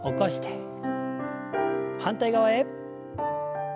反対側へ。